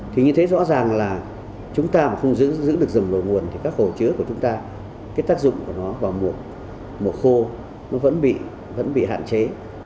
thì như thế rõ ràng là chúng ta mà không giữ được rừng đồi nguồn thì các hồ chứa của chúng ta cái tác dụng của nó vào mùa khô nó vẫn bị hạn chế